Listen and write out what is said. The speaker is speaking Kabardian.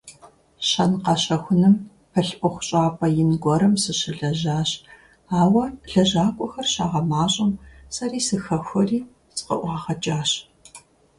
Щэн-къэщэхуным пылъ ӏуэхущӏапӏэ ин гуэрым сыщылэжьащ, ауэ, лэжьакӀуэхэр щагъэмащӀэм, сэри сыхэхуэри, сыкъыӀуагъэкӀащ.